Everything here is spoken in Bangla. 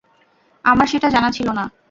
আমার সেটা জানা ছিল না।